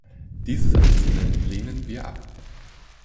Dieses Ansinnen lehnen wir ab.